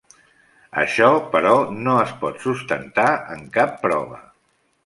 Això, però, no es pot sustentar en cap prova.